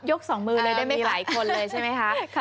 สองมือเลยได้มีหลายคนเลยใช่ไหมคะ